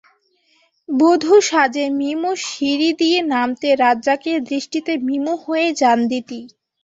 বধূ সাজে মিমো সিঁড়ি দিয়ে নামতে রাজ্জাকের দৃষ্টিতে মিমো হয়ে যান দিতি।